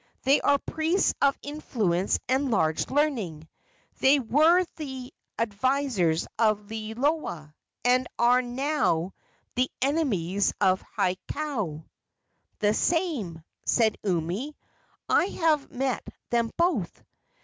They are priests of influence and large learning. They were the advisers of Liloa, and are now the enemies of Hakau." "The same," said Umi; "I have met them both."